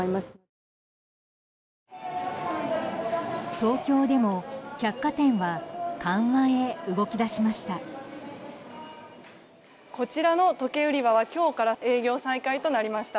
東京でも、百貨店は緩和へ動き出しました。